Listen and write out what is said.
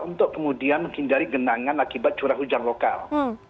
untuk kemudian menghindari genangan akibat curah hujan lokal